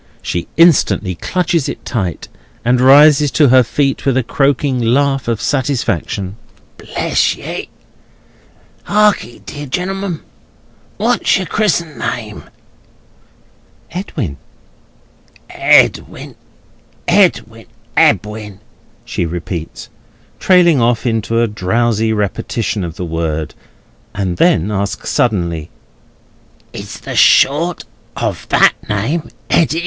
She instantly clutches it tight, and rises to her feet with a croaking laugh of satisfaction. "Bless ye! Hark'ee, dear genl'mn. What's your Chris'en name?" "Edwin." "Edwin, Edwin, Edwin," she repeats, trailing off into a drowsy repetition of the word; and then asks suddenly: "Is the short of that name Eddy?"